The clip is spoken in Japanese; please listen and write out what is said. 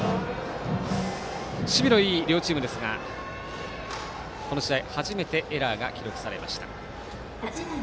守備のいい両チームですがこの試合初めてエラーが記録されました。